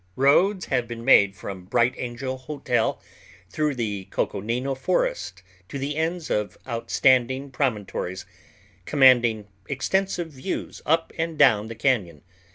Roads have been made from Bright Angel Hotel through the Coconino Forest to the ends of outstanding promontories, commanding extensive views up and down the cañon.